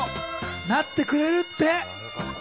なってくれるって！